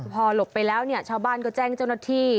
พอหลบไปแล้วเนี่ยชาวบ้านก็แจ้งเจ้าหน้าที่